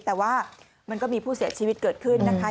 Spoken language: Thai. แต่ว่ามันก็มีผู้เสียชีวิตเกิดขึ้นนะคะ